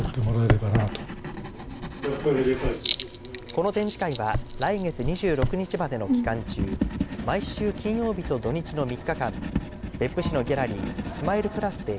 この展示会は来月２６日までの期間中毎週金曜日と土日の３日間別府市のギャラリーｓｍｉｌｅ＋で